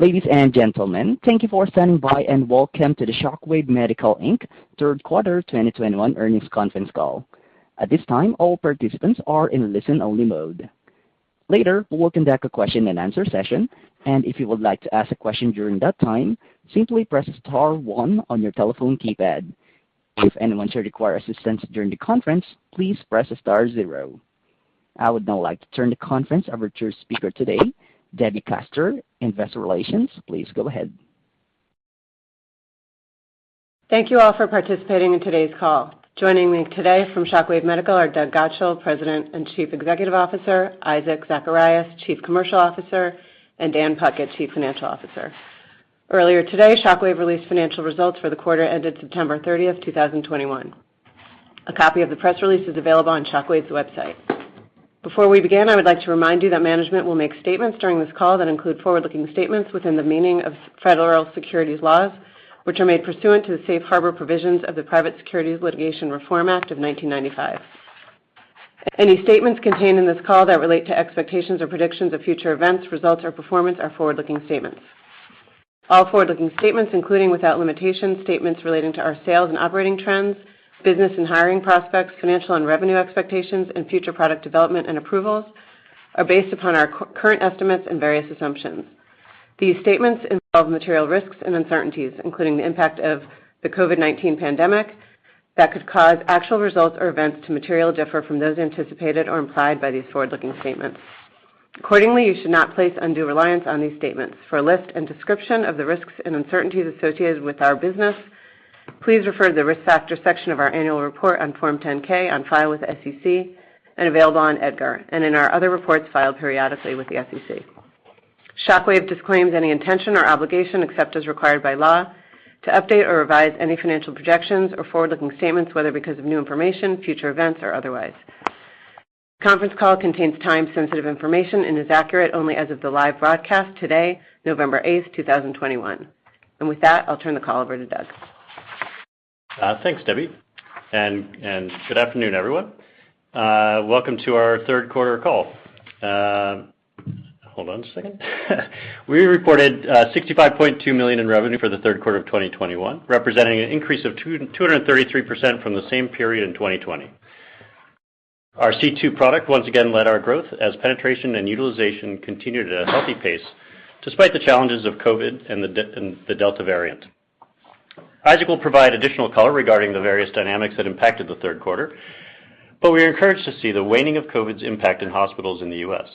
Ladies and gentlemen, thank you for standing by, and welcome to the Shockwave Medical, Inc. third quarter 2021 earnings conference call. At this time, all participants are in listen-only mode. Later, we'll conduct a question-and-answer session, and if you would like to ask a question during that time, simply press star one on your telephone keypad. If anyone should require assistance during the conference, please press star zero. I would now like to turn the conference over to your speaker today, Debbie Kaster, Investor Relations. Please go ahead. Thank you all for participating in today's call. Joining me today from Shockwave Medical are Doug Godshall, President and Chief Executive Officer, Isaac Zacharias, Chief Commercial Officer, and Dan Puckett, Chief Financial Officer. Earlier today, Shockwave released financial results for the quarter ended September 30th, 2021. A copy of the Press Release is available on Shockwave's website. Before we begin, I would like to remind you that management will make statements during this call that include forward-looking statements within the meaning of Federal Securities Laws, which are made pursuant to the safe harbor provisions of the Private Securities Litigation Reform Act of 1995. Any statements contained in this call that relate to expectations or predictions of future events, results, or performance are forward-looking statements. All forward-looking statements, including, without limitation, statements relating to our sales and operating trends, business and hiring prospects, financial and revenue expectations, and future product development and approvals, are based upon our current estimates and various assumptions. These statements involve material risks and uncertainties, including the impact of the COVID-19 pandemic, that could cause actual results or events to materially differ from those anticipated or implied by these forward-looking statements. Accordingly, you should not place undue reliance on these statements. For a list and description of the risks and uncertainties associated with our business, please refer to the Risk Factors section of our annual report on Form 10-K on file with the SEC and available on EDGAR, and in our other reports filed periodically with the SEC. Shockwave disclaims any intention or obligation, except as required by law, to update or revise any financial projections or forward-looking statements, whether because of new information, future events, or otherwise. This conference call contains time-sensitive information and is accurate only as of the live broadcast today, November 8th, 2021. With that, I'll turn the call over to Doug. Thanks, Debbie. Good afternoon, everyone. Welcome to our third quarter call. Hold on a second. We reported $65.2 million in revenue for the third quarter of 2021, representing an increase of 233% from the same period in 2020. Our C2 product once again led our growth as penetration and utilization continued at a healthy pace despite the challenges of COVID and the Delta variant. Isaac will provide additional color regarding the various dynamics that impacted the third quarter, but we are encouraged to see the waning of COVID's impact in hospitals in the U.S.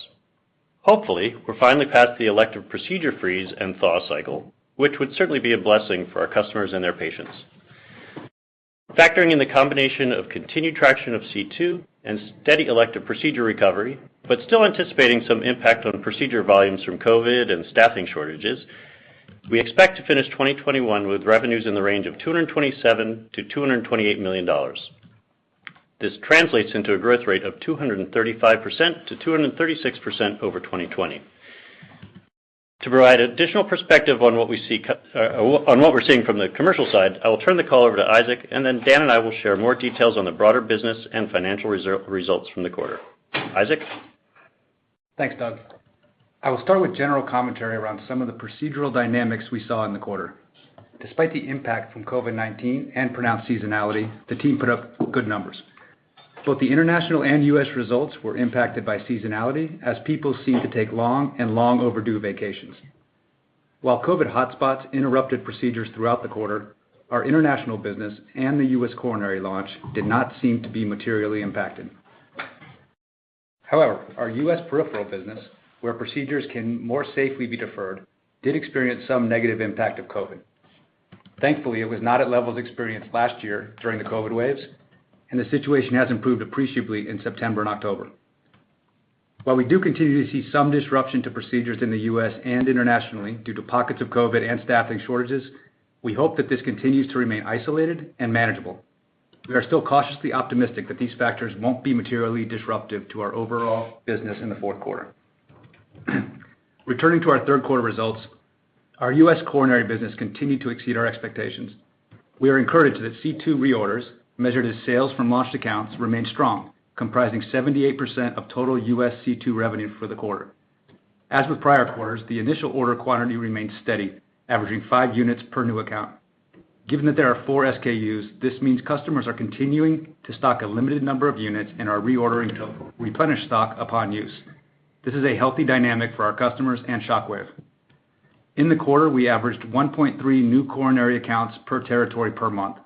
Hopefully, we're finally past the elective procedure freeze and thaw cycle, which would certainly be a blessing for our customers and their patients. Factoring in the combination of continued traction of C2 and steady elective procedure recovery, but still anticipating some impact on procedure volumes from COVID and staffing shortages, we expect to finish 2021 with revenues in the range of $227 million-$228 million. This translates into a growth rate of 235%-236% over 2020. To provide additional perspective on what we see on what we're seeing from the commercial side, I will turn the call over to Isaac, and then Dan and I will share more details on the broader business and financial results from the quarter. Isaac? Thanks, Doug. I will start with general commentary around some of the procedural dynamics we saw in the quarter. Despite the impact from COVID-19 and pronounced seasonality, the team put up good numbers. Both the international and U.S. results were impacted by seasonality as people seemed to take long overdue vacations. While COVID hotspots interrupted procedures throughout the quarter, our international business and the U.S. Coronary launch did not seem to be materially impacted. However, our U.S. Peripheral business, where procedures can more safely be deferred, did experience some negative impact of COVID. Thankfully, it was not at levels experienced last year during the COVID waves, and the situation has improved appreciably in September and October. While we do continue to see some disruption to procedures in the U.S. and internationally due to pockets of COVID and staffing shortages, we hope that this continues to remain isolated and manageable. We are still cautiously optimistic that these factors won't be materially disruptive to our overall business in the fourth quarter. Returning to our third quarter results, our U.S. Coronary business continued to exceed our expectations. We are encouraged that C2 reorders, measured as sales from launched accounts, remain strong, comprising 78% of total U.S. C2 revenue for the quarter. As with prior quarters, the initial order quantity remains steady, averaging five units per new account. Given that there are 4 SKUs, this means customers are continuing to stock a limited number of units and are reordering to replenish stock upon use. This is a healthy dynamic for our customers and Shockwave. In the quarter, we averaged 1.3 new Coronary accounts per territory per month.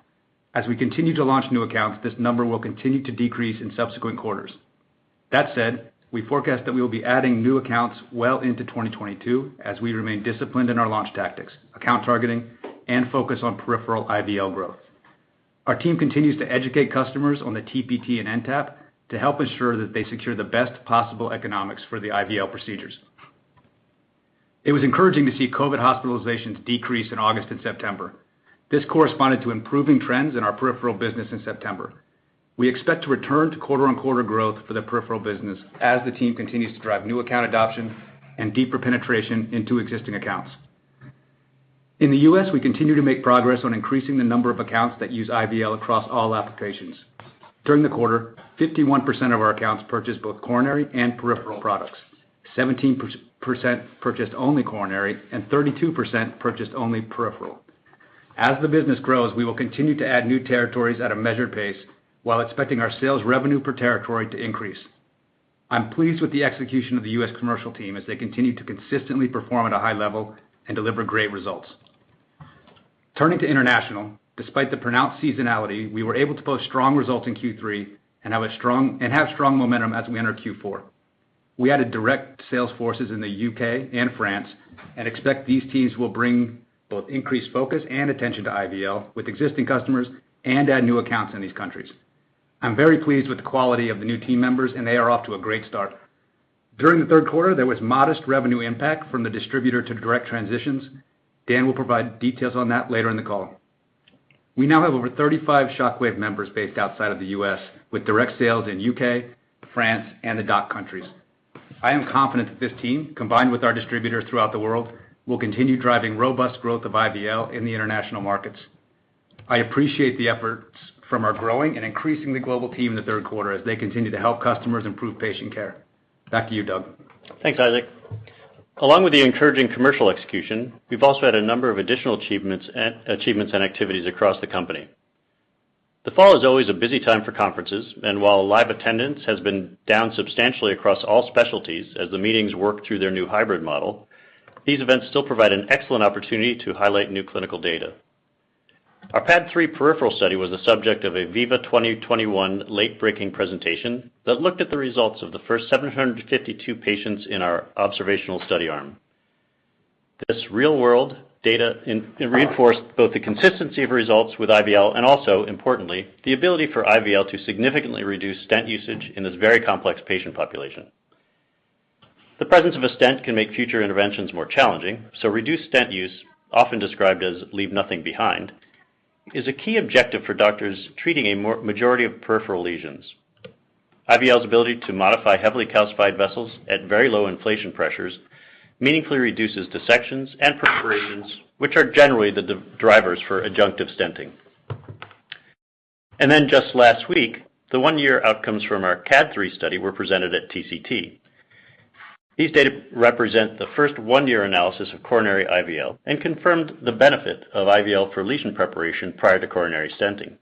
As we continue to launch new accounts, this number will continue to decrease in subsequent quarters. That said, we forecast that we will be adding new accounts well into 2022 as we remain disciplined in our launch tactics, account targeting, and focus on Peripheral IVL growth. Our team continues to educate customers on the TPT and NTAP to help ensure that they secure the best possible economics for the IVL procedures. It was encouraging to see COVID hospitalizations decrease in August and September. This corresponded to improving trends in our Peripheral business in September. We expect to return to quarter-on-quarter growth for the Peripheral business as the team continues to drive new account adoption and deeper penetration into existing accounts. In the U.S., we continue to make progress on increasing the number of accounts that use IVL across all applications. During the quarter, 51% of our accounts purchased both Coronary and Peripheral products. 17% purchased only Coronary, and 32% purchased only Peripheral. As the business grows, we will continue to add new territories at a measured pace while expecting our sales revenue per territory to increase. I'm pleased with the execution of the U.S. commercial team as they continue to consistently perform at a high level and deliver great results. Turning to international, despite the pronounced seasonality, we were able to post strong results in Q3 and have strong momentum as we enter Q4. We added direct sales forces in the U.K. and France, and expect these teams will bring both increased focus and attention to IVL with existing customers and add new accounts in these countries. I'm very pleased with the quality of the new team members, and they are off to a great start. During the third quarter, there was modest revenue impact from the distributor to direct transitions. Dan will provide details on that later in the call. We now have over 35 Shockwave members based outside of the U.S., with direct sales in U.K., France, and the DACH countries. I am confident that this team, combined with our distributors throughout the world, will continue driving robust growth of IVL in the international markets. I appreciate the efforts from our growing and increasingly global team in the third quarter as they continue to help customers improve patient care. Back to you, Doug. Thanks, Isaac. Along with the encouraging commercial execution, we've also had a number of additional achievements and activities across the company. The fall is always a busy time for conferences, and while live attendance has been down substantially across all specialties as the meetings work through their new hybrid model, these events still provide an excellent opportunity to highlight new clinical data. Our PAD III Peripheral study was the subject of a VIVA 2021 late breaking presentation that looked at the results of the first 752 patients in our observational study arm. This real-world data reinforced both the consistency of results with IVL and also, importantly, the ability for IVL to significantly reduce stent usage in this very complex patient population. The presence of a stent can make future interventions more challenging, so reduced stent use, often described as leave nothing behind, is a key objective for doctors treating a majority of Peripheral lesions. IVL's ability to modify heavily calcified vessels at very low inflation pressures meaningfully reduces dissections and perforations, which are generally the drivers for adjunctive stenting. Just last week, the one-year outcomes from our CAD III study were presented at TCT. These data represent the first one-year analysis of Coronary IVL and confirmed the benefit of IVL for lesion preparation prior to Coronary stenting.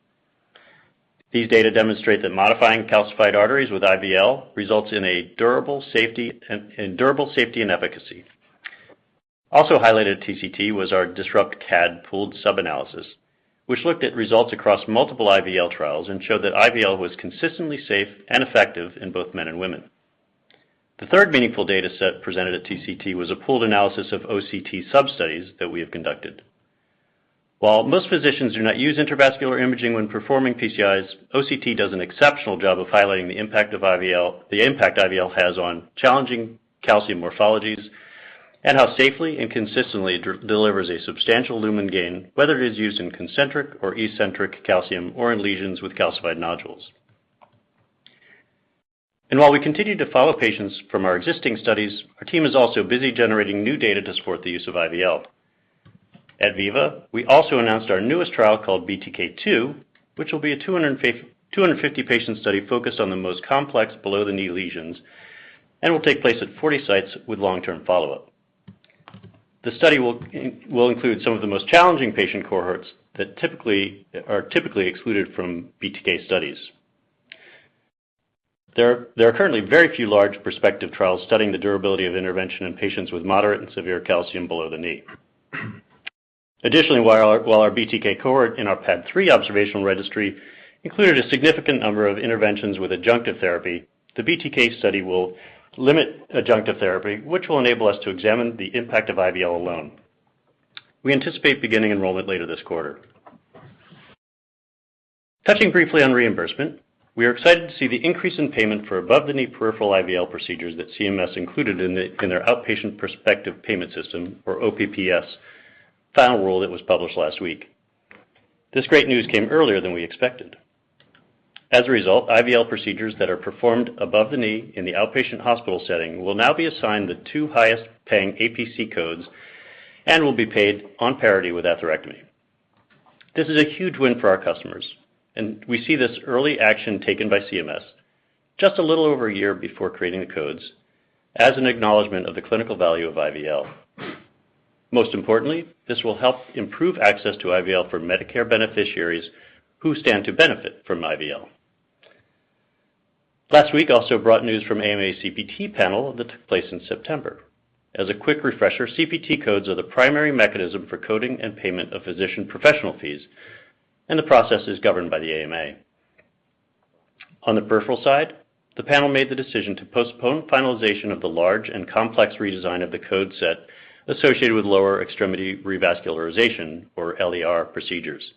These data demonstrate that modifying calcified arteries with IVL results in a durable safety and efficacy. Also highlighted at TCT was our DISRUPT CAD pooled sub-analysis, which looked at results across multiple IVL trials and showed that IVL was consistently safe and effective in both men and women. The third meaningful data set presented at TCT was a pooled analysis of OCT sub-studies that we have conducted. While most physicians do not use Intravascular imaging when performing PCIs, OCT does an exceptional job of highlighting the impact of IVL, the impact IVL has on challenging calcium morphologies and how safely and consistently it delivers a substantial lumen gain, whether it is used in concentric or eccentric calcium or in lesions with calcified nodules. While we continue to follow patients from our existing studies, our team is also busy generating new data to support the use of IVL. At VIVA, we also announced our newest trial called BTK II, which will be a 250 patient study focused on the most complex below the knee lesions and will take place at 40 sites with long-term follow-up. The study will include some of the most challenging patient cohorts that typically are excluded from BTK studies. There are currently very few large prospective trials studying the durability of intervention in patients with moderate and severe calcium below the knee. Additionally, while our BTK cohort in our PAD III observational registry included a significant number of interventions with adjunctive therapy, the BTK study will limit adjunctive therapy, which will enable us to examine the impact of IVL alone. We anticipate beginning enrollment later this quarter. Touching briefly on Reimbursement, we are excited to see the increase in payment for Above The Knee Peripheral IVL procedures that CMS included in their Outpatient Prospective Payment System, or OPPS, final rule that was published last week. This great news came earlier than we expected. As a result, IVL procedures that are performed above the knee in the outpatient hospital setting will now be assigned the two highest paying APC codes and will be paid on parity with atherectomy. This is a huge win for our customers, and we see this early action taken by CMS just a little over a year before creating the codes as an acknowledgement of the clinical value of IVL. Most importantly, this will help improve access to IVL for Medicare beneficiaries who stand to benefit from IVL. Last week also brought news from AMA CPT panel that took place in September. As a quick refresher, CPT codes are the primary mechanism for coding and payment of physician professional fees, and the process is governed by the AMA. On the Peripheral side, the panel made the decision to postpone finalization of the large and complex redesign of the code set associated with lower extremity revascularization, or LER, procedures.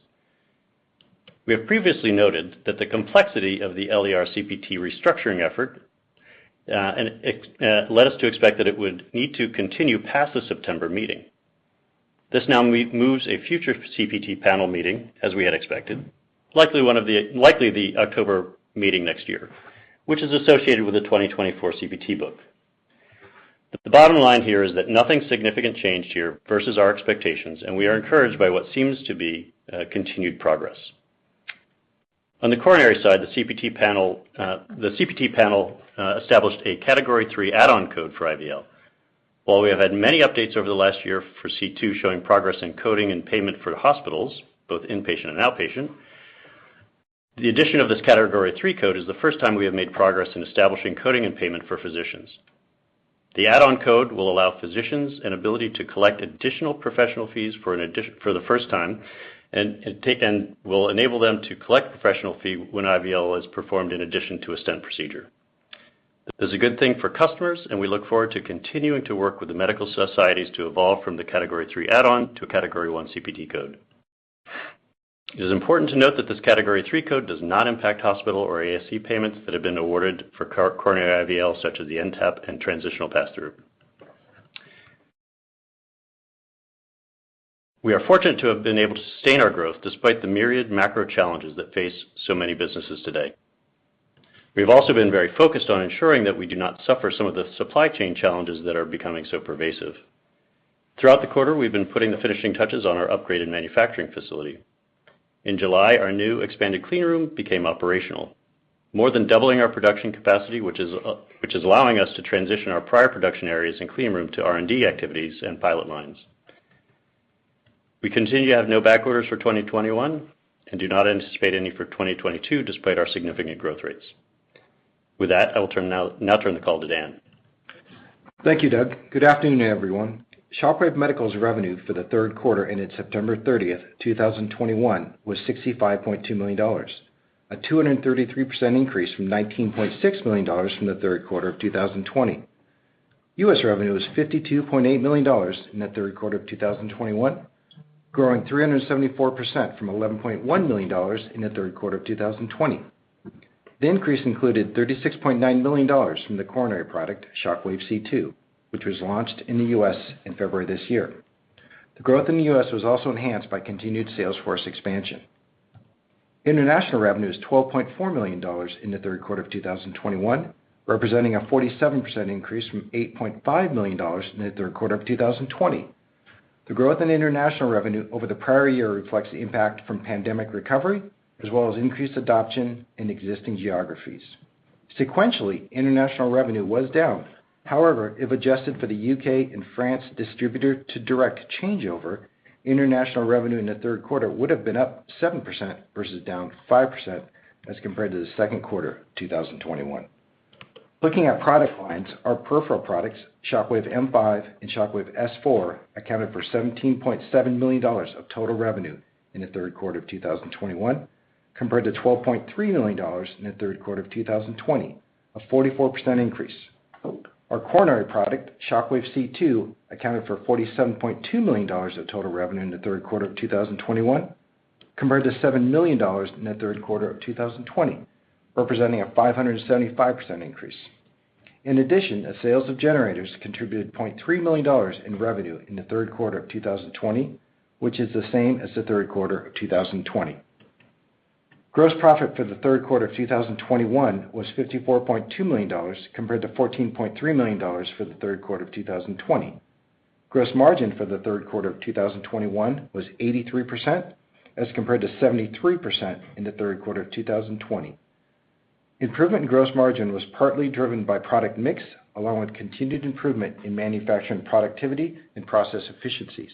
We have previously noted that the complexity of the LER CPT restructuring effort led us to expect that it would need to continue past the September meeting. This moves a future CPT panel meeting as we had expected, likely the October meeting next year, which is associated with the 2024 CPT book. The bottom line here is that nothing significant changed here versus our expectations, and we are encouraged by what seems to be continued progress. On the Coronary side, the CPT panel established a category three add-on code for IVL. While we have had many updates over the last year for C2 showing progress in coding and payment for hospitals, both inpatient and outpatient, the addition of this category three code is the first time we have made progress in establishing coding and payment for physicians. The add-on code will allow physicians an ability to collect additional professional fees for the first time and will enable them to collect professional fee when IVL is performed in addition to a stent procedure. This is a good thing for customers, and we look forward to continuing to work with the medical societies to evolve from the category three add-on to a category one CPT code. It is important to note that this category three code does not impact hospital or ASC payments that have been awarded for Coronary IVL, such as the NTAP and transitional pass-through. We are fortunate to have been able to sustain our growth despite the myriad macro challenges that face so many businesses today. We've also been very focused on ensuring that we do not suffer some of the supply chain challenges that are becoming so pervasive. Throughout the quarter, we've been putting the finishing touches on our upgraded manufacturing facility. In July, our new expanded clean room became operational, more than doubling our production capacity, which is allowing us to transition our prior production areas and clean room to R&D activities and pilot lines. We continue to have no back orders for 2021 and do not anticipate any for 2022, despite our significant growth rates. With that, I will now turn the call to Dan. Thank you, Doug. Good afternoon, everyone. Shockwave Medical's revenue for the third quarter ended September 30th, 2021 was $65.2 million, a 233% increase from $19.6 million from the third quarter of 2020. U.S. revenue was $52.8 million in the third quarter of 2021, growing 374% from $11.1 million in the third quarter of 2020. The increase included $36.9 million from the Coronary product, Shockwave C2, which was launched in the U.S. in February this year. The growth in the U.S. was also enhanced by continued sales force expansion. International revenue is $12.4 million in the third quarter of 2021, representing a 47% increase from $8.5 million in the third quarter of 2020. The growth in international revenue over the prior year reflects the impact from pandemic recovery, as well as increased adoption in existing geographies. Sequentially, international revenue was down. However, if adjusted for the U.K. and France distributor to direct changeover, international revenue in the third quarter would have been up 7% versus down 5% as compared to the second quarter of 2021. Looking at product lines, our Peripheral products, Shockwave M5 and Shockwave S4, accounted for $17.7 million of total revenue in the third quarter of 2021, compared to $12.3 million in the third quarter of 2020, a 44% increase. Our Coronary product, Shockwave C2, accounted for $47.2 million of total revenue in the third quarter of 2021, compared to $7 million in the third quarter of 2020, representing a 575% increase. In addition, the sales of generators contributed $0.3 million in revenue in the third quarter of 2021, which is the same as the third quarter of 2020. Gross profit for the third quarter of 2021 was $54.2 million, compared to $14.3 million for the third quarter of 2020. Gross margin for the third quarter of 2021 was 83%, as compared to 73% in the third quarter of 2020. Improvement in gross margin was partly driven by product mix, along with continued improvement in manufacturing productivity and process efficiencies.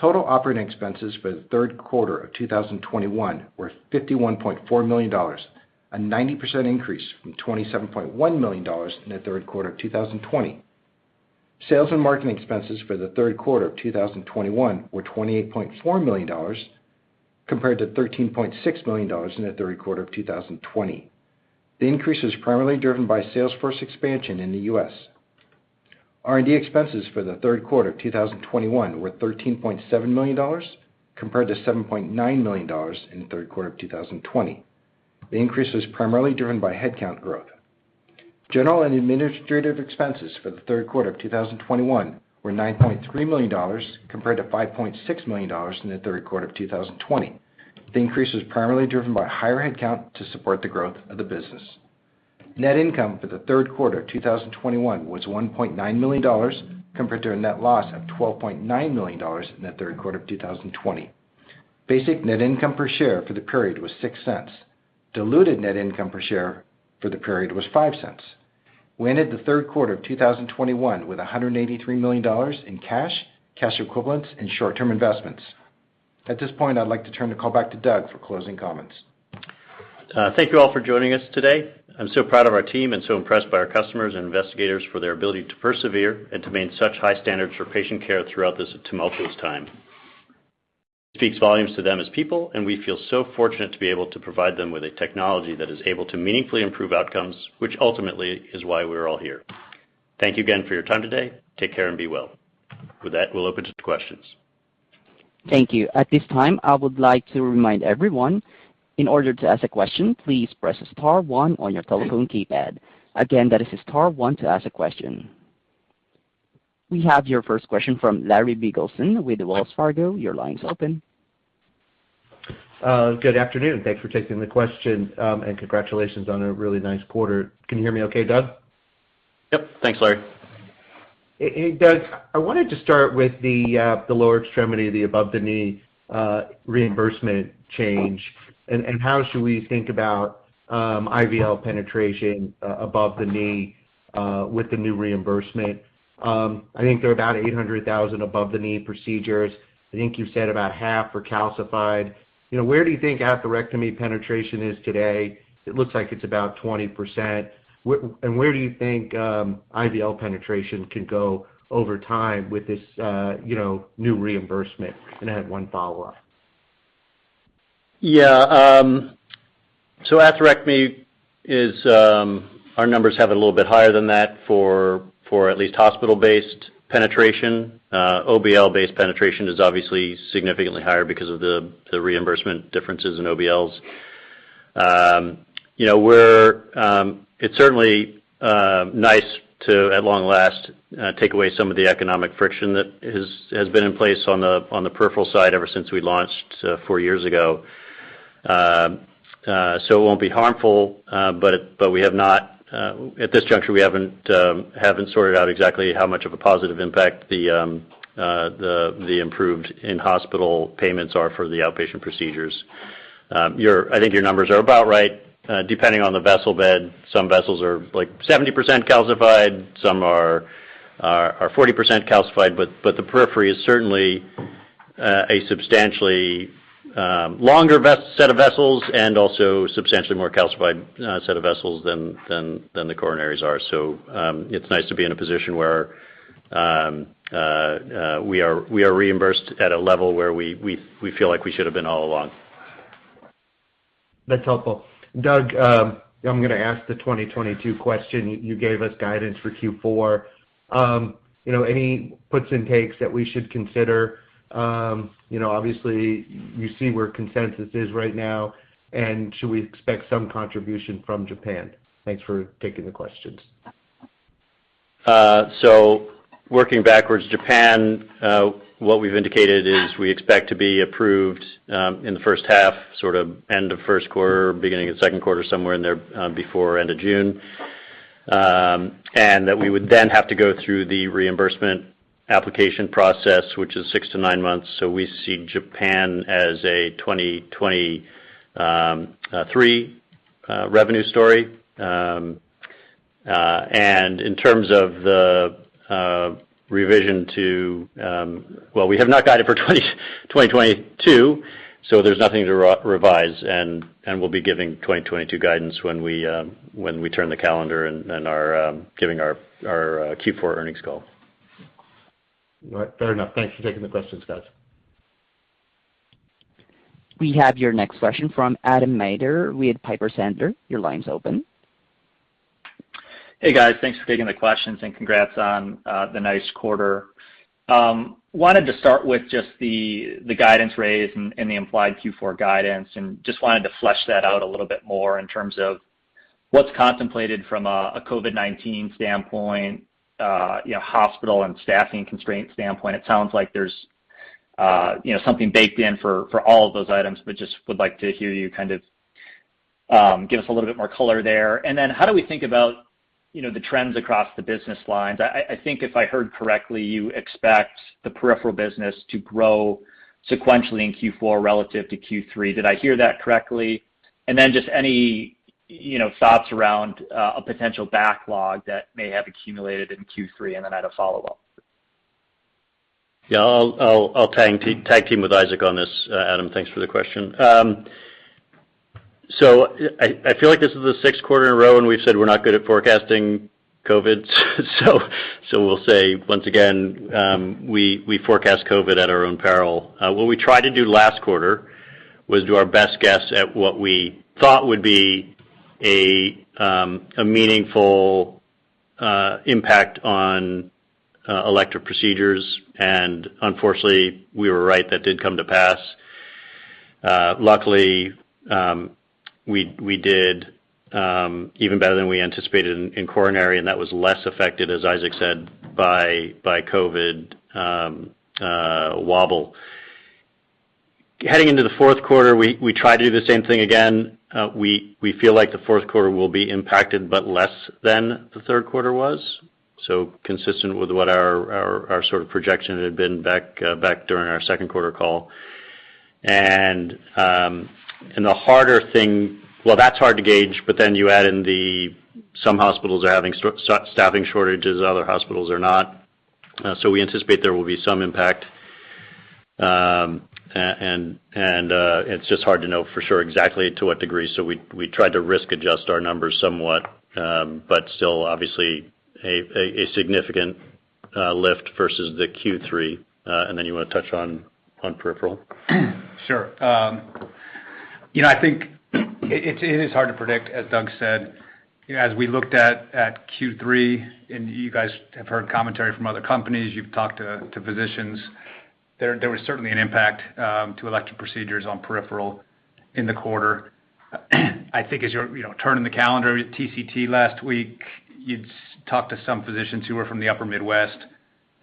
Total operating expenses for the third quarter of 2021 were $51.4 million, a 90% increase from $27.1 million in the third quarter of 2020. Sales and marketing expenses for the third quarter of 2021 were $28.4 million, compared to $13.6 million in the third quarter of 2020. The increase was primarily driven by sales force expansion in the U.S. R&D expenses for the third quarter of 2021 were $13.7 million, compared to $7.9 million in the third quarter of 2020. The increase was primarily driven by headcount growth. General and administrative expenses for the third quarter of 2021 were $9.3 million, compared to $5.6 million in the third quarter of 2020. The increase was primarily driven by higher headcount to support the growth of the business. Net income for the third quarter of 2021 was $1.9 million, compared to a net loss of $12.9 million in the third quarter of 2020. Basic net income per share for the period was $0.06. Diluted net income per share for the period was $0.05. We ended the third quarter of 2021 with $183 million in cash equivalents, and short-term investments. At this point, I'd like to turn the call back to Doug for closing comments. Thank you all for joining us today. I'm so proud of our team and so impressed by our customers and investigators for their ability to persevere and to maintain such high standards for patient care throughout this tumultuous time. It speaks volumes to them as people, and we feel so fortunate to be able to provide them with a technology that is able to meaningfully improve outcomes, which ultimately is why we're all here. Thank you again for your time today. Take care and be well. With that, we'll open to questions. Thank you. At this time, I would like to remind everyone, in order to ask a question, please press star one on your telephone keypad. Again, that is star one to ask a question. We have your first question from Lawrence Biegelsen with Wells Fargo. Your line is open. Good afternoon. Thanks for taking the question. Congratulations on a really nice quarter. Can you hear me okay, Doug? Yep. Thanks, Larry. Hey, Doug, I wanted to start with the lower extremity, the above the knee Reimbursement change and how should we think about IVL penetration above the knee with the new Reimbursement? I think there are about 800,000 above the knee procedures. I think you said about half were calcified. You know, where do you think atherectomy penetration is today? It looks like it's about 20%. Where do you think IVL penetration can go over time with this new Reimbursement? And I have one follow-up. Atherectomy is our numbers have it a little bit higher than that for at least hospital-based penetration. OBL-based penetration is obviously significantly higher because of the Reimbursement differences in OBLs. You know, it's certainly nice to at long last take away some of the economic friction that has been in place on the Peripheral side ever since we launched four years ago. It won't be harmful, but we have not. At this juncture, we haven't sorted out exactly how much of a positive impact the improved in-hospital payments are for the outpatient procedures. I think your numbers are about right. Depending on the vessel bed, some vessels are, like, 70% calcified, some are 40% calcified, but the periphery is certainly a substantially longer set of vessels and also substantially more calcified set of vessels than the coronaries are. It's nice to be in a position where we are reimbursed at a level where we feel like we should have been all along. That's helpful. Doug, I'm gonna ask the 2022 question. You gave us guidance for Q4. You know, any puts and takes that we should consider? You know, obviously, you see where consensus is right now. Should we expect some contribution from Japan? Thanks for taking the questions. Working backwards, Japan, what we've indicated is we expect to be approved in the first half, sort of end of first quarter, beginning of second quarter, somewhere in there, before end of June. That we would then have to go through the Reimbursement application process, which is six to nine months. We see Japan as a 2023 revenue story. In terms of the revision to. Well, we have not guided for 2022, so there's nothing to revise, and we'll be giving 2022 guidance when we turn the calendar and are giving our Q4 earnings call. All right. Fair enough. Thanks for taking the questions, guys. We have your next question from Adam Maeder with Piper Sandler. Your line is open. Hey, guys. Thanks for taking the questions, and congrats on the nice quarter. Wanted to start with just the guidance raise and the implied Q4 guidance, and just wanted to flesh that out a little bit more in terms of what's contemplated from a COVID-19 standpoint, hospital and staffing constraint standpoint. It sounds like there's something baked in for all of those items, but just would like to hear you kind of give us a little bit more color there. How do we think about the trends across the business lines? I think if I heard correctly, you expect the Peripheral business to grow sequentially in Q4 relative to Q3. Did I hear that correctly? Just any, you know, thoughts around a potential backlog that may have accumulated in Q3, and then I have a follow-up. Yeah. I'll tag team with Isaac on this, Adam. Thanks for the question. I feel like this is the sixth quarter in a row, and we've said we're not good at forecasting COVID. We'll say once again, we forecast COVID at our own peril. What we tried to do last quarter was do our best guess at what we thought would be a meaningful impact on elective procedures. Unfortunately, we were right, that did come to pass. Luckily, we did even better than we anticipated in Coronary, and that was less affected, as Isaac said, by COVID wobble. Heading into the fourth quarter, we try to do the same thing again. We feel like the fourth quarter will be impacted, but less than the third quarter was, so consistent with what our sort of projection had been back during our second quarter call. The harder thing. Well, that's hard to gauge, but then you add in that some hospitals are having staffing shortages, other hospitals are not. We anticipate there will be some impact. It's just hard to know for sure exactly to what degree. We try to risk adjust our numbers somewhat, but still obviously a significant lift versus the Q3. You wanna touch on Peripheral? Sure. You know, I think it is hard to predict, as Doug said. You know, as we looked at Q3, and you guys have heard commentary from other companies, you've talked to physicians. There was certainly an impact to elective procedures on Peripheral in the quarter. I think as you're, you know, turning the calendar, TCT last week, you'd talked to some physicians who were from the upper Midwest,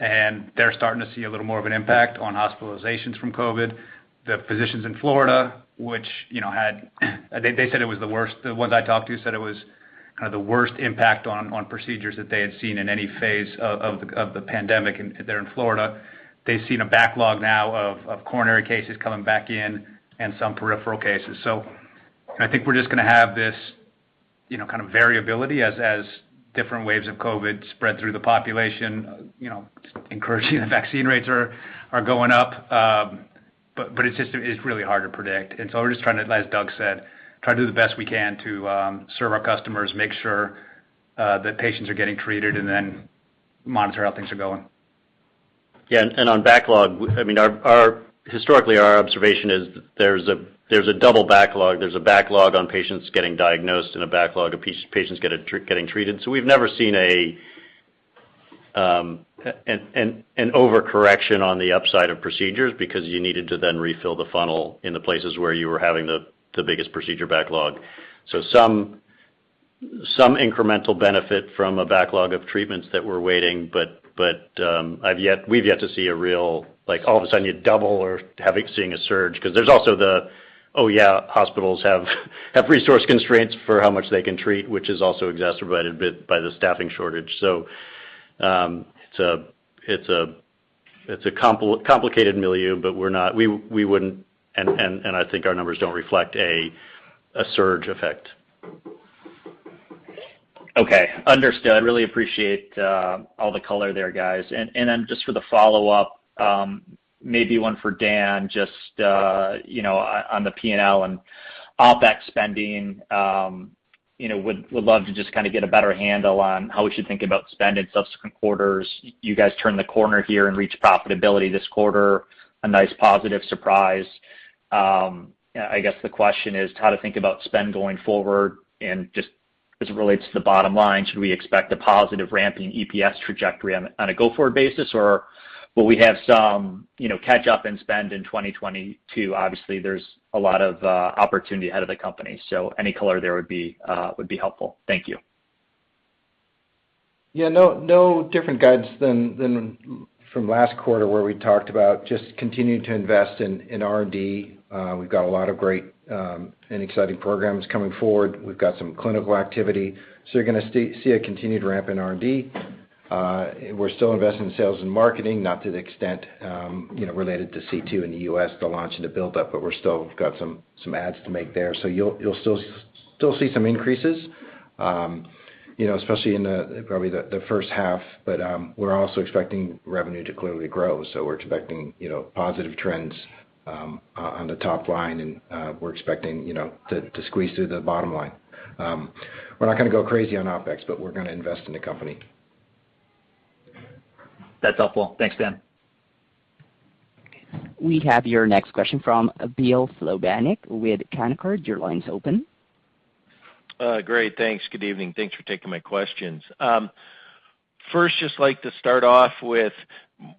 and they're starting to see a little more of an impact on hospitalizations from COVID. The physicians in Florida, which, you know, had they said it was the worst. The ones I talked to said it was kind of the worst impact on procedures that they had seen in any phase of the pandemic there in Florida. They've seen a backlog now of Coronary cases coming back in and some Peripheral cases. I think we're just gonna have this, you know, kind of variability as different waves of COVID spread through the population, you know, encouraging the vaccine rates are going up. It's just really hard to predict. We're just trying to, as Doug said, try to do the best we can to serve our customers, make sure that patients are getting treated and then monitor how things are going. Yeah. On backlog, I mean, our historically, our observation is there's a double backlog. There's a backlog on patients getting diagnosed and a backlog of patients getting treated. We've never seen an overcorrection on the upside of procedures because you needed to then refill the funnel in the places where you were having the biggest procedure backlog. Some incremental benefit from a backlog of treatments that we're waiting, but I've yet—we've yet to see a real, like all of a sudden you double or seeing a surge because there's also the hospitals have resource constraints for how much they can treat, which is also exacerbated a bit by the staffing shortage. It's a complicated milieu, but we wouldn't and I think our numbers don't reflect a surge effect. Okay. Understood. Really appreciate all the color there, guys. Just for the follow-up, maybe one for Dan, just you know on the P&L and OpEx spending, you know would love to just kind of get a better handle on how we should think about spend in subsequent quarters. You guys turned the corner here and reached profitability this quarter, a nice positive surprise. I guess the question is how to think about spend going forward and just as it relates to the bottom line. Should we expect a positive ramp in EPS trajectory on a go-forward basis, or will we have some you know catch up in spend in 2022? Obviously, there's a lot of opportunity ahead of the company. Any color there would be helpful. Thank you. Yeah. No different guidance than from last quarter where we talked about just continuing to invest in R&D. We've got a lot of great and exciting programs coming forward. We've got some clinical activity. You're gonna see a continued ramp in R&D. We're still investing in sales and marketing, not to the extent you know related to C2 in the U.S., the launch and the buildup, but we've still got some adds to make there. You'll still see some increases you know especially in probably the first half. We're also expecting revenue to clearly grow. We're expecting you know positive trends on the top line, and we're expecting you know to squeeze through the bottom line. We're not gonna go crazy on OpEx, but we're gonna invest in the company. That's helpful. Thanks, Dan. We have your next question from Bill Plovanic with Canaccord. Your line's open. Great. Thanks. Good evening. Thanks for taking my questions. First, just like to start off with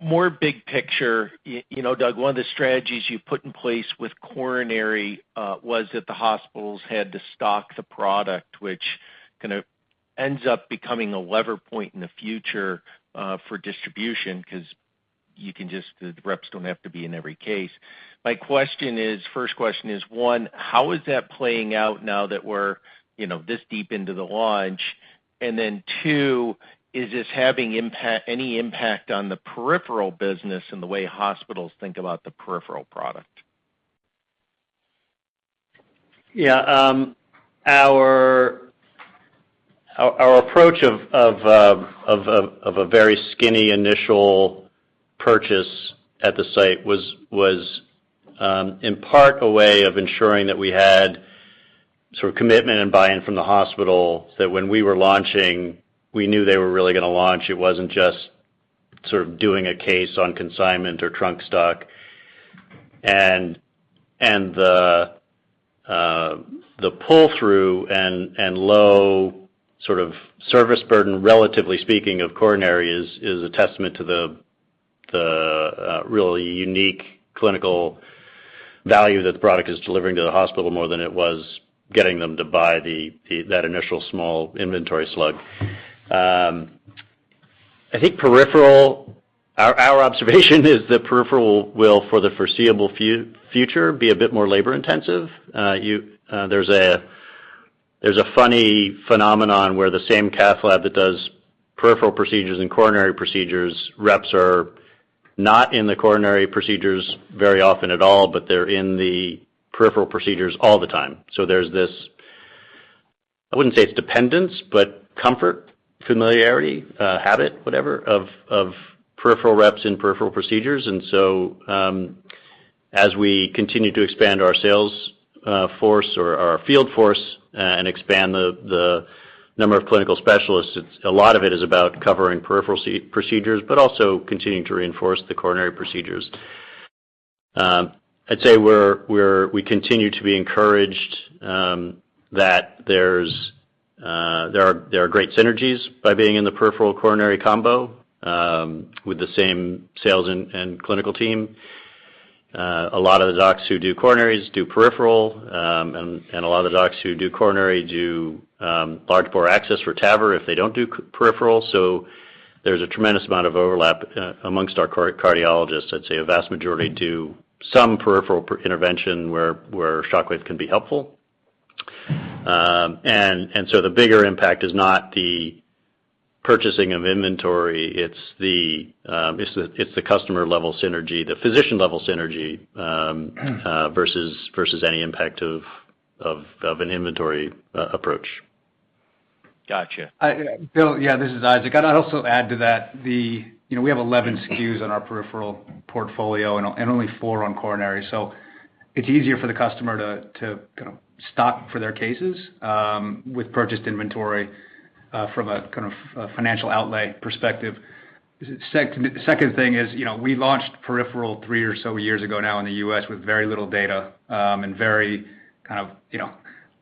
more big picture. You know, Doug, one of the strategies you put in place with Coronary was that the hospitals had to stock the product, which kind of ends up becoming a leverage point in the future for distribution because you can just the reps don't have to be in every case. My question is, first question is, one, how is that playing out now that we're, you know, this deep into the launch? And then two, is this having any impact on the Peripheral business and the way hospitals think about the Peripheral product? Our approach of a very skinny initial purchase at the site was in part a way of ensuring that we had sort of commitment and buy-in from the hospital that when we were launching, we knew they were really gonna launch. It wasn't just sort of doing a case on consignment or trunk stock. The pull-through and low sort of service burden, relatively speaking of Coronary is a testament to the really unique clinical value that the product is delivering to the hospital more than it was getting them to buy that initial small inventory slug. I think Peripheral. Our observation is that Peripheral will, for the foreseeable future, be a bit more labor-intensive. There's a funny phenomenon where the same cath lab that does Peripheral procedures and Coronary procedures, reps are not in the Coronary procedures very often at all, but they're in the Peripheral procedures all the time. There's this, I wouldn't say it's dependence, but comfort, familiarity, habit, whatever, of Peripheral reps in Peripheral procedures. As we continue to expand our sales force or our field force and expand the number of clinical specialists, a lot of it is about covering Peripheral procedures, but also continuing to reinforce the Coronary procedures. I'd say we continue to be encouraged that there are great synergies by being in the Peripheral-Coronary combo with the same sales and clinical team. A lot of the docs who do coronaries do Peripheral, and a lot of the docs who do Coronary do large bore access for TAVR if they don't do Peripheral. There's a tremendous amount of overlap among our cardiologists. I'd say a vast majority do some Peripheral intervention where Shockwave can be helpful. The bigger impact is not the purchasing of inventory, it's the customer level synergy, the physician level synergy, versus any impact of an inventory approach. Gotcha. Bill, yeah, this is Isaac. I'd also add to that. You know, we have 11 SKUs on our Peripheral portfolio and only four on Coronary. So it's easier for the customer to kind of stock for their cases with purchased inventory from a kind of financial outlay perspective. Second thing is, you know, we launched Peripheral III or so years ago now in the U.S. with very little data and very kind of, you know,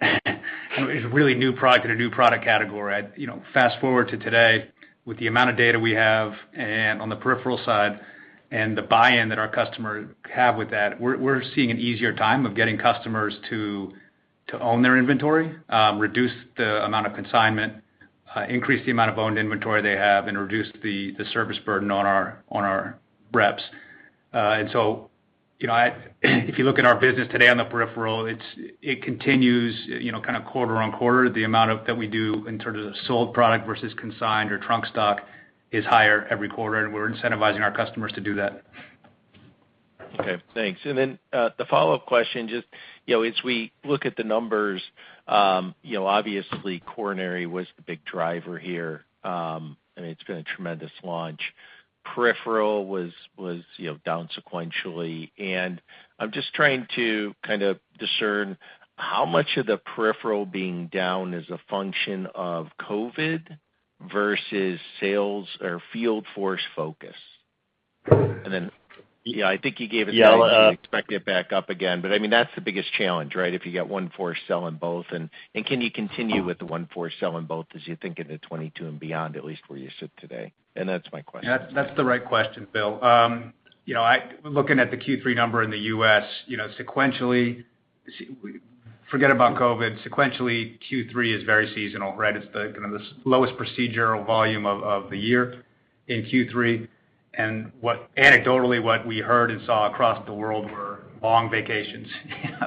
it's a really new product in a new product category. You know, fast-forward to today, with the amount of data we have and on the Peripheral side and the buy-in that our customers have with that, we're seeing an easier time of getting customers to own their inventory, reduce the amount of consignment, increase the amount of owned inventory they have and reduce the service burden on our reps. If you look at our business today on the Peripheral, it continues, you know, kind of quarter-over-quarter. The amount that we do in terms of sold product versus consigned or trunk stock is higher every quarter, and we're incentivizing our customers to do that. Okay, thanks. The follow-up question, just, you know, as we look at the numbers, you know, obviously, Coronary was the big driver here. I mean, it's been a tremendous launch. Peripheral was, you know, down sequentially. I'm just trying to kind of discern how much of the Peripheral being down is a function of COVID versus sales or field force focus. Yeah, I think you gave it. Do you expect it back up again. I mean, that's the biggest challenge, right? If you get one force selling both. Can you continue with the one force selling both as you think into 2022 and beyond, at least where you sit today? That's my question. That's the right question, Bill. You know, looking at the Q3 number in the U.S., you know, sequentially, forget about COVID. Sequentially, Q3 is very seasonal, right? It's kind of the lowest procedural volume of the year in Q3. What anecdotally, what we heard and saw across the world were long vacations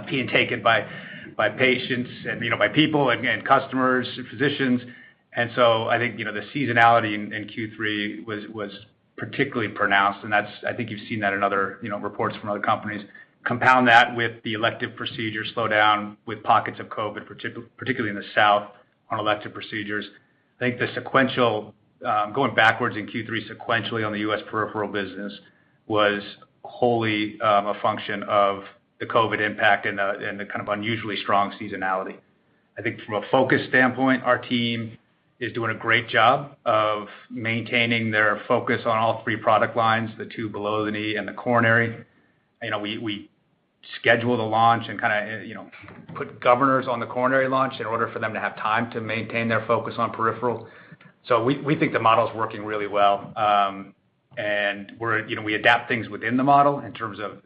being taken by patients and, you know, by people and customers and physicians. I think, you know, the seasonality in Q3 was particularly pronounced, and that's. I think you've seen that in other, you know, reports from other companies. Compound that with the elective procedure slowdown, with pockets of COVID, particularly in the South on elective procedures. I think the sequential. Going backwards in Q3 sequentially on the U.S. Peripheral business was wholly a function of the COVID impact and the kind of unusually strong seasonality. I think from a focus standpoint, our team is doing a great job of maintaining their focus on all three product lines, the two below the knee and the Coronary. You know, we scheduled a launch and kinda put governors on the Coronary launch in order for them to have time to maintain their focus on Peripheral. We think the model's working really well. We're, you know, we adapt things within the model in terms of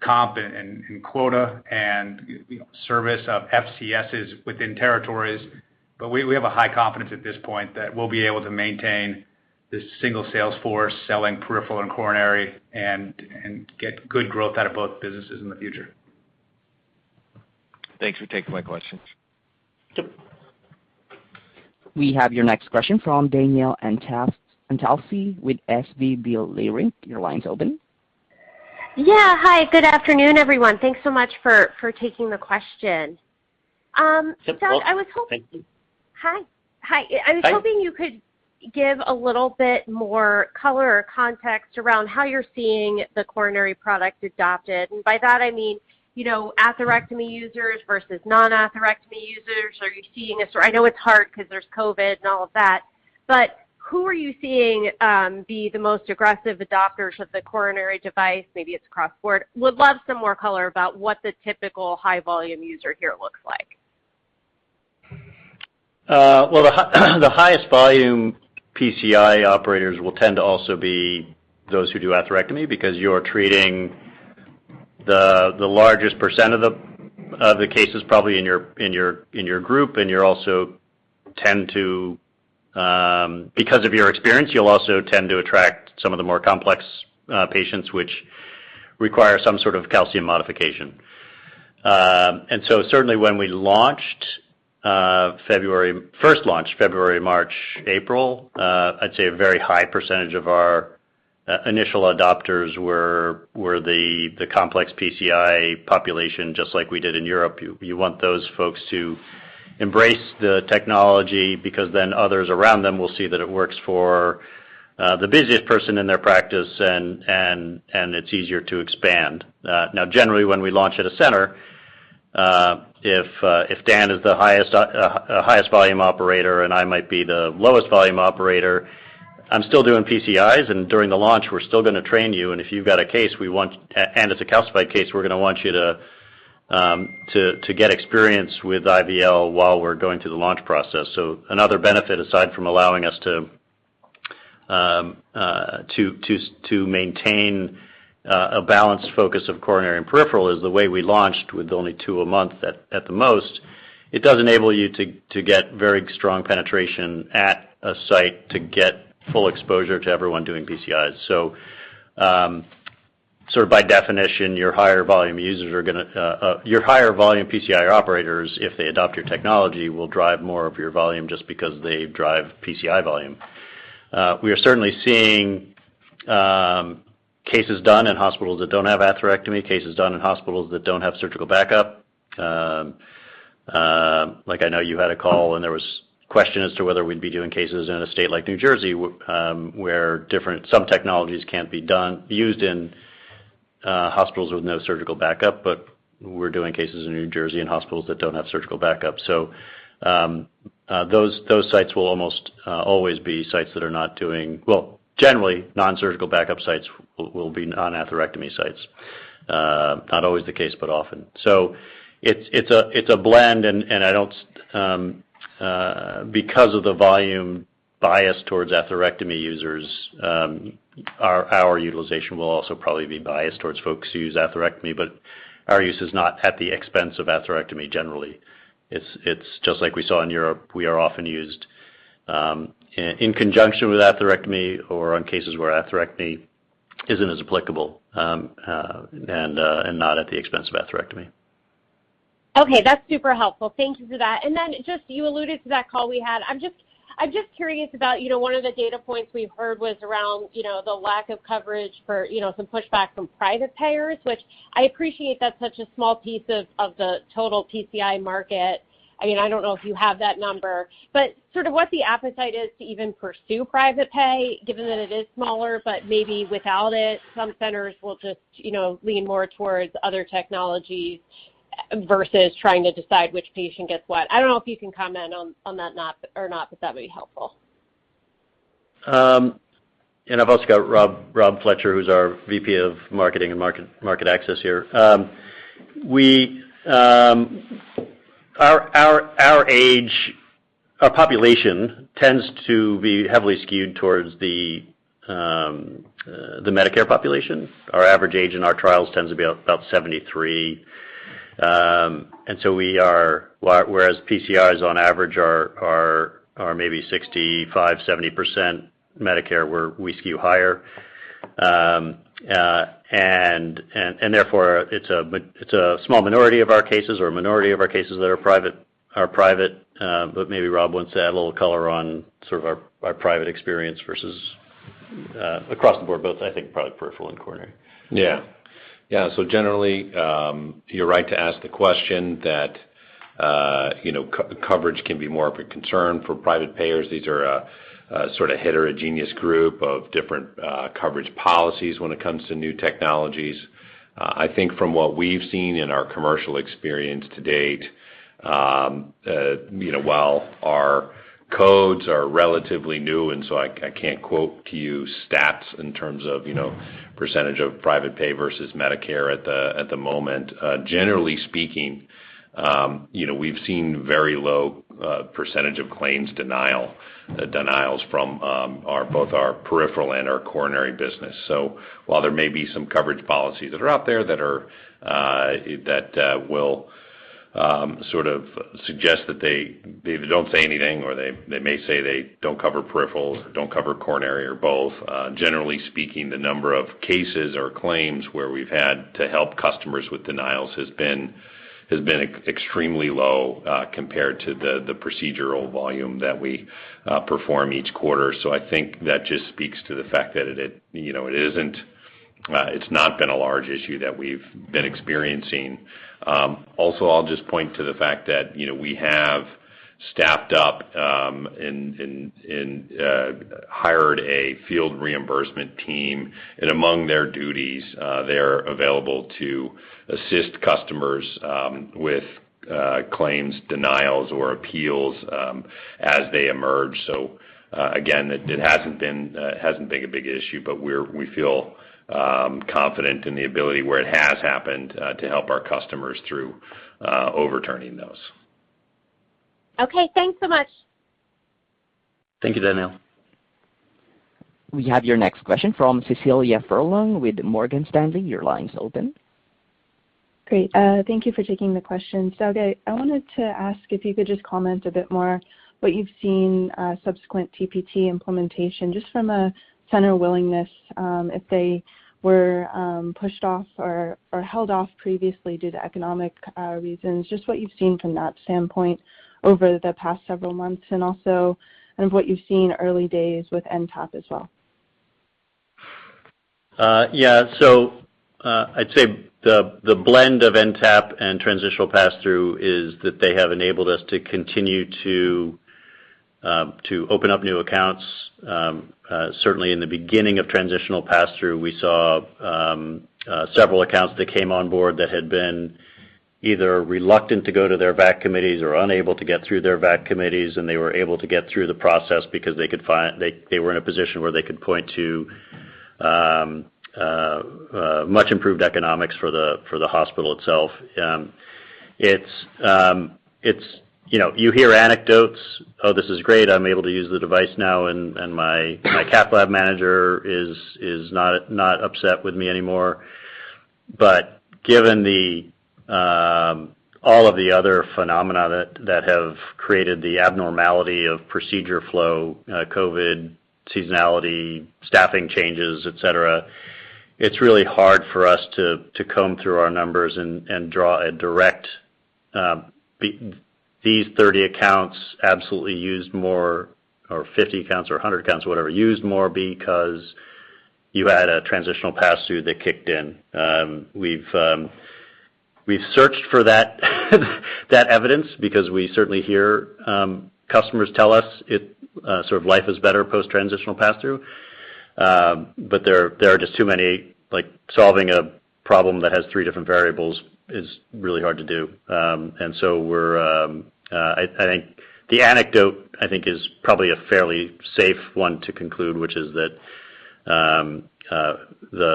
comp and quota and service of FCSs within territories. We have a high confidence at this point that we'll be able to maintain this single sales force selling Peripheral and Coronary and get good growth out of both businesses in the future. Thanks for taking my questions. Yep. We have your next question from Danielle Antalffy with SVB Leerink. Your line's open. Yeah. Hi, good afternoon, everyone. Thanks so much for taking the question. So I was hoping. Hi. I was hoping you could give a little bit more color or context around how you're seeing the Coronary product adopted. By that I mean, you know, atherectomy users versus non-atherectomy users. Are you seeing. I know it's hard because there's COVID and all of that, but who are you seeing be the most aggressive adopters of the Coronary device? Maybe it's across the board. Would love some more color about what the typical high volume user here looks like. Well, the highest volume PCI operators will tend to also be those who do atherectomy because you're treating the largest percent of the cases probably in your group, and you also tend to, because of your experience, you'll also tend to attract some of the more complex patients, which require some sort of calcium modification. Certainly when we launched, first launch, February, March, April, I'd say a very high percentage of our initial adopters were the complex PCI population, just like we did in Europe. You want those folks to embrace the technology because then others around them will see that it works for the busiest person in their practice and it's easier to expand. Now generally when we launch at a center, if Dan is the highest volume operator and I might be the lowest volume operator, I'm still doing PCIs, and during the launch, we're still gonna train you. If you've got a case and it's a calcified case, we're gonna want you to get experience with IVL while we're going through the launch process. Another benefit aside from allowing us to maintain a balanced focus of Coronary and Peripheral is the way we launched with only two a month at the most. It does enable you to get very strong penetration at a site to get full exposure to everyone doing PCIs. Sort of by definition, your higher volume users are gonna. Your higher volume PCI operators, if they adopt your technology, will drive more of your volume just because they drive PCI volume. We are certainly seeing cases done in hospitals that don't have atherectomy, cases done in hospitals that don't have surgical backup. Like I know you had a call, and there was question as to whether we'd be doing cases in a state like New Jersey, where some technologies can't be used in hospitals with no surgical backup. We're doing cases in New Jersey in hospitals that don't have surgical backup. Those sites will almost always be sites that are not doing. Well, generally, nonsurgical backup sites will be non-atherectomy sites. Not always the case, but often. It's a blend, and I don't. Because of the volume bias towards atherectomy users, our utilization will also probably be biased towards folks who use atherectomy, but our use is not at the expense of atherectomy generally. It's just like we saw in Europe. We are often used in conjunction with atherectomy or on cases where atherectomy isn't as applicable, and not at the expense of atherectomy. Okay, that's super helpful. Thank you for that. Then just, you alluded to that call we had. I'm just curious about, you know, one of the data points we've heard was around, you know, the lack of coverage for, you know, some pushback from private payers, which I appreciate that's such a small piece of the total PCI market. I mean, I don't know if you have that number, but sort of what the appetite is to even pursue private pay, given that it is smaller, but maybe without it, some centers will just, you know, lean more towards other technologies versus trying to decide which patient gets what. I don't know if you can comment on that or not, but that'd be helpful. I've also got Rob Fletcher, who's our VP of Marketing and Market Access here. Our population tends to be heavily skewed towards the Medicare population. Our average age in our trials tends to be about 73. We are—whereas PCIs on average are maybe 65%-70% Medicare, we skew higher. Therefore it's a small minority of our cases that are private. But maybe Rob wants to add a little color on sort of our private experience versus across the board, both I think probably Peripheral and Coronary. Yeah. Yeah. Generally, you're right to ask the question that, you know, coverage can be more of a concern for private payers. These are a sort of heterogeneous group of different coverage policies when it comes to new technologies. I think from what we've seen in our commercial experience to date, you know, while our codes are relatively new, and so I can't quote to you stats in terms of, you know, percentage of private pay versus Medicare at the moment. Generally speaking, you know, we've seen very low percentage of claims denials from both our Peripheral and our Coronary business. While there may be some coverage policies that are out there that will sort of suggest that they don't say anything or they may say they don't cover Peripheral, don't cover Coronary or both. Generally speaking, the number of cases or claims where we've had to help customers with denials has been extremely low compared to the procedural volume that we perform each quarter. I think that just speaks to the fact that it, you know, it isn't a large issue that we've been experiencing. Also, I'll just point to the fact that, you know, we have staffed up and hired a Field Reimbursement team, and among their duties, they're available to assist customers with claims denials or appeals as they emerge. Again, it hasn't been a big issue, but we feel confident in the ability where it has happened to help our customers through overturning those. Okay. Thanks so much. Thank you, Danielle. We have your next question from Cecilia Furlong with Morgan Stanley. Your line's open. Great. Thank you for taking the question. Okay, I wanted to ask if you could just comment a bit more what you've seen subsequent TPT implementation, just from a center willingness, if they were pushed off or held off previously due to economic reasons. Just what you've seen from that standpoint over the past several months, and also kind of what you've seen early days with NTAP as well. I'd say the blend of NTAP and transitional pass-through is that they have enabled us to continue to open up new accounts, certainly in the beginning of transitional pass-through, we saw several accounts that came on board that had been either reluctant to go to their VAC committees or unable to get through their VAC committees, and they were able to get through the process because they were in a position where they could point to much improved economics for the hospital itself. It's you know, you hear anecdotes, oh, this is great, I'm able to use the device now and my Cath Lab Manager is not upset with me anymore. Given the all of the other phenomena that have created the abnormality of procedure flow, COVID, seasonality, staffing changes, et cetera, it's really hard for us to comb through our numbers and draw a direct, these 30 accounts absolutely used more, or 50 accounts or 100 accounts, whatever, used more because you had a transitional pass-through that kicked in. We've searched for that evidence because we certainly hear customers tell us it sort of life is better post-transitional pass-through. There are just too many. Like, solving a problem that has three different variables is really hard to do. I think the anecdote is probably a fairly safe one to conclude, which is that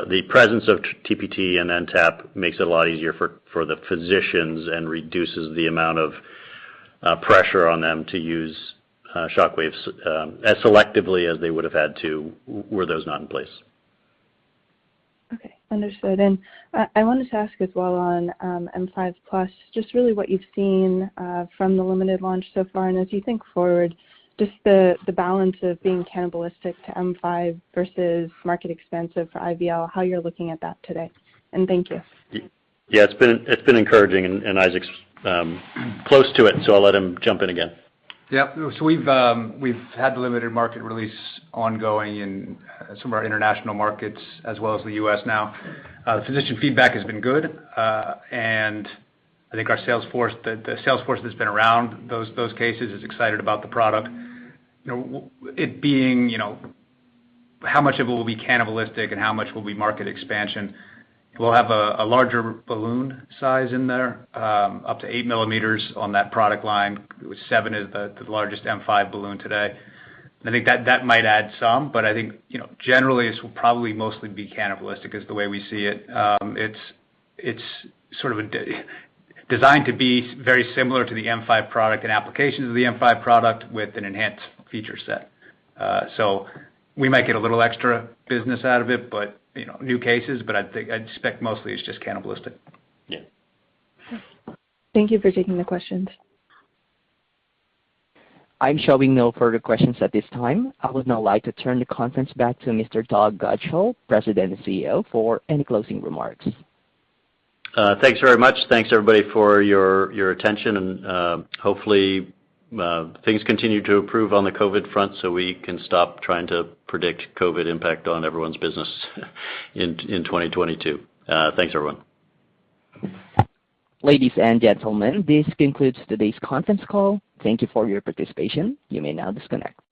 the presence of TPT and NTAP makes it a lot easier for the physicians and reduces the amount of pressure on them to use Shockwaves as selectively as they would have had to were those not in place. Okay. Understood. I wanted to ask as well on M5+, just really what you've seen from the limited launch so far, and as you think forward, just the balance of being cannibalistic to M5 versus market expansive for OBL, how you're looking at that today. Thank you. Yeah, it's been encouraging, and Isaac's close to it, so I'll let him jump in again. Yeah. We've had limited market release ongoing in some of our international markets as well as the U.S. now. The physician feedback has been good, and I think our sales force, the sales force that's been around those cases is excited about the product. You know, it being, you know, how much of it will be cannibalistic and how much will be market expansion. We'll have a larger balloon size in there, up to 8 m on that product line. 7 m is the largest M5 balloon today. I think that might add some, but I think, you know, generally, this will probably mostly be cannibalistic is the way we see it. It's sort of designed to be very similar to the M5 product and applications of the M5 product with an enhanced feature set. We might get a little extra business out of it, but, you know, new cases, but I think I'd expect mostly it's just cannibalistic. Yeah. Thank you for taking the questions. I'm showing no further questions at this time. I would now like to turn the conference back to Mr. Doug Godshall, President and CEO, for any closing remarks. Thanks very much. Thanks, everybody, for your attention, and hopefully things continue to improve on the COVID front so we can stop trying to predict COVID impact on everyone's business in 2022. Thanks, everyone. Ladies and gentlemen, this concludes today's conference call. Thank you for your participation. You may now disconnect.